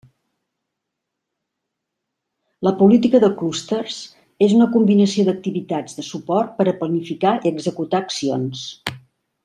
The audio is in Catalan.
La política de clústers és una combinació d'activitats de suport per a planificar i executar accions.